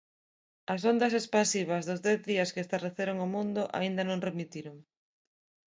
As ondas expansivas dos dez días que estarreceron o mundo aínda non remitiron.